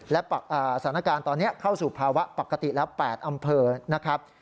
และสถานการณ์ตอนนี้เข้าสู่ภาวะปกติแล้ว๘อำเภอนะครับ